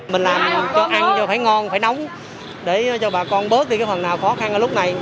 mình làm cho ăn cho phải ngon phải nóng để cho bà con bớt đi cái phần nào khó khăn ở lúc này